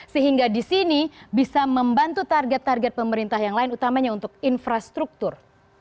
sehingga di sini bisa membantu target target pemerintah yang lain utamanya untuk infrastruktur